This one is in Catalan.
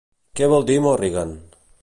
Què vol dir Morrigan?